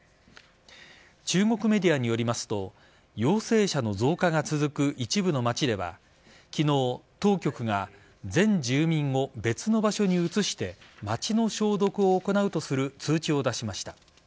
中国メディアによりますと陽性者の増加が続く一部の街では昨日、当局が全住民を別の場所に移して街の消毒を行うとする通知を出しました。